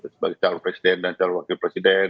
sebagai calon presiden dan calon wakil presiden